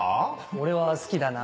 俺は好きだな。